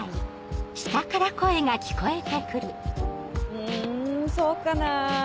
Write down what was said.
うんそうかなぁ。